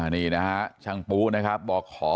นี่นะครับช่างปู้นะครับ